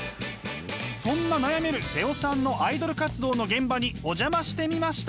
そんな悩める妹尾さんのアイドル活動の現場にお邪魔してみました！